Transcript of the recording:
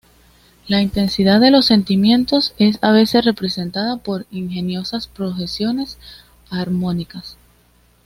La intensidad de los sentimientos es a veces representada por ingeniosas progresiones armónicas.